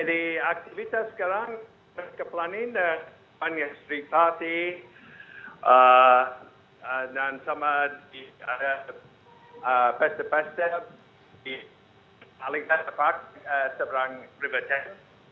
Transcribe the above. di aktivitas sekarang terkeplani banyak street party dan sama ada pesta pesta di halikota park seberang river thames